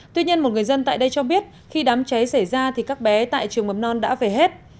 tuy nhiên một người dân tại đây cho biết khi đám cháy xảy ra thì các bé tại trường mầm non đã về hết